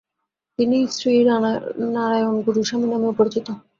তিনি শ্রী নারায়ণ গুরু স্বামী নামেও পরিচিত।